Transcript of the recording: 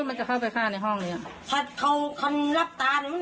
มันจะเข้าไปฆ่าในห้องเลยอ่ะพัฒน์เขาคนลับตานี่มัน